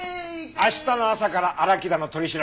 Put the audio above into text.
明日の朝から荒木田の取り調べが始まる。